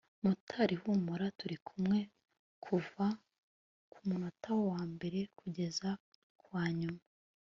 Motari humura turikumwe kuva kumunota wa mbere kugeza kuwa nyuma